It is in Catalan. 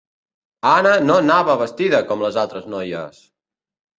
Anne no anava vestida com les altres noies!